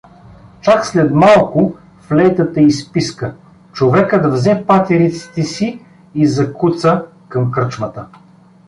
Чак след малко флейтата изписка, човекът взе патериците си и закуца към кръчмата.